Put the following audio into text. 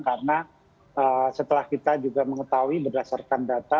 karena setelah kita juga mengetahui berdasarkan data